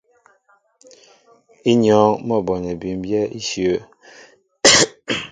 Ínyɔ́ɔ́ŋ mɔ́ a bonɛ bʉmbyɛ́ íshyə̂.